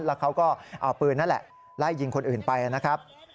แล้วเขาก็เอาปืนนั่นแหละไล่ยิงคนอื่นไปนะครับ